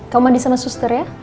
kamu mandi sama suster ya